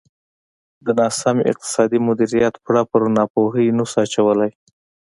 د ناسم اقتصادي مدیریت پړه پر ناپوهۍ نه شو اچولای.